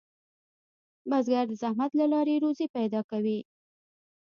بزګر د زحمت له لارې روزي پیدا کوي